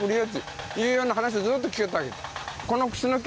いうような話をずーっと聞きよったけん。